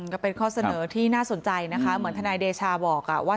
ก็เป็นข้อเสนอที่น่าสนใจนะคะเหมือนทนายเดชาบอกว่า